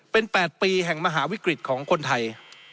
เป็น๘ปีแห่งมหาวิกฤตของคนไทย